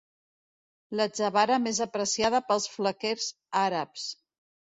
L'atzavara més apreciada pels flequers àrabs.